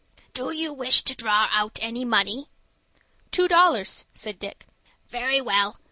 "Do you wish to draw out any money?" "Two dollars," said Dick. "Very well.